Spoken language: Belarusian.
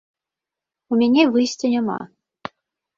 У мяне выйсця няма.